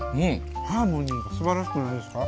ハーモニーがすばらしくないですか？